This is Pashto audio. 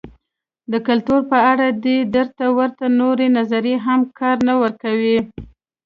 د کلتور په اړه دې ته ورته نورې نظریې هم کار نه ورکوي.